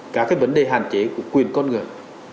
các cái vấn đề hạn chế của quyền con người